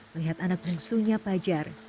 melihat anak bungsunya pajar